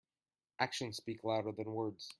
Actions speak louder than words.